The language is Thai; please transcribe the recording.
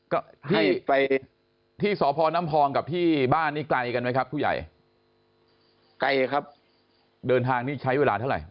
ก็ที่ไปที่สพน้ำพองกับที่บ้านนี้ไกลกันไหมครับผู้ใหญ่ไกลครับเดินทางนี่ใช้เวลาเท่าไหร